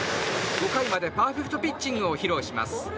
５回までパーフェクトピッチングを披露します。